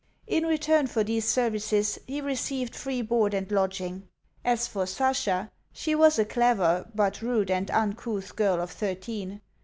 In return for these services he received free board and lodging. As for Sasha, she was a clever, but rude and uncouth, girl of thirteen.